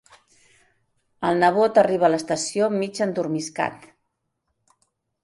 El nebot arriba a l'estació mig endormiscat.